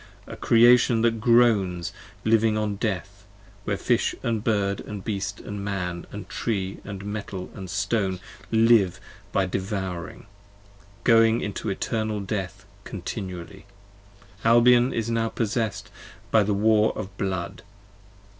A Creation that groans, living on Death, Where Fish & Bird & Beast & Man & Tree & Metal & Stone Live by Devouring, going into Eternal Death continually! Albion is now possess'd by the War of Blood!